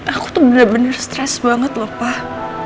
aku tuh bener bener stres banget loh pak